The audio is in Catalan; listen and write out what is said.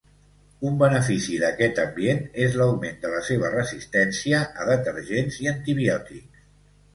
Un benefici d'aquest ambient és l'augment de la seva resistència a detergents i antibiòtics.